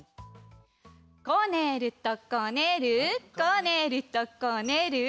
こねるとこねるこねるとこねる。